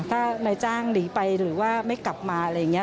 ถ้านายจ้างหนีไปหรือว่าไม่กลับมาอะไรอย่างนี้